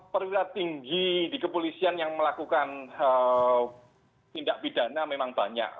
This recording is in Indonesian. perwira tinggi di kepolisian yang melakukan tindak pidana memang banyak